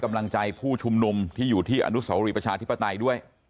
เขาเป็นรุมตัวที่อานุสวรีใช่ไหม